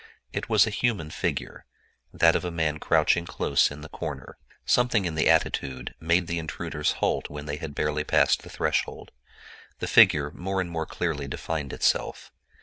It was a human figure—that of a man crouching close in the corner. Something in the attitude made the intruders halt when they had barely passed the threshold. The figure more and more clearly defined itself.